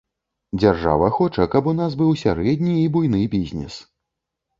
Дзяржава хоча, каб у нас быў сярэдні і буйны бізнес.